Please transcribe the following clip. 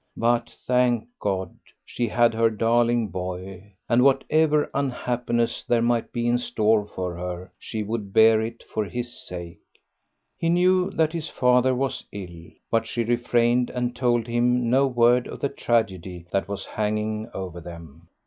But, thank God, she had her darling boy, and whatever unhappiness there might be in store for her she would bear it for his sake. He knew that his father was ill, but she refrained and told him no word of the tragedy that was hanging over them.